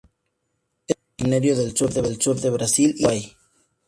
Es originario del sur de Brasil y Uruguay.